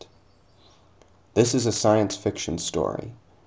] This is a science fiction story.